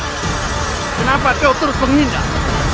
kenapa kau terus mengindah